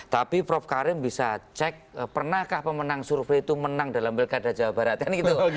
tapi prof karim bisa cek pernahkah pemenang survei itu menang dalam pilkada jawa barat kan gitu